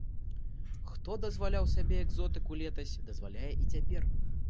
Хто дазваляў сабе экзотыку летась, дазваляе і цяпер.